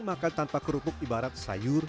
makan tanpa kerupuk ibarat sayur